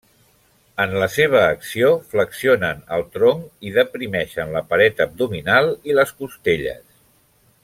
En la seva acció, flexionen el tronc i deprimeixen la paret abdominal i les costelles.